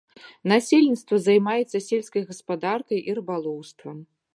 Насельніцтва займаецца сельскай гаспадаркай і рыбалоўствам.